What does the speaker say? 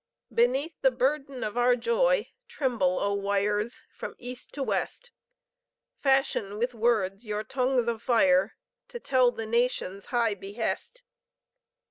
Beneath the burden of our joy Tremble, O wires, from East to West! Fashion with words your tongues of fire, To tell the nation's high behest.